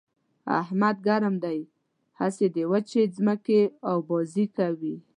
احمد ګرم دی؛ هسې د وچې ځمکې اوبازي کوي.